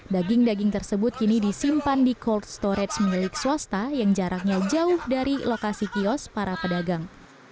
daging daging tersebut kini disimpan di cold storage milik swasta yang jaraknya jauh dari lokasi kios para pedagang